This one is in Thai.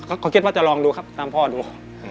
เขาคิดว่าจะลองดูครับตามพ่อดู